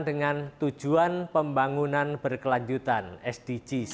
dengan tujuan pembangunan berkelanjutan sdgs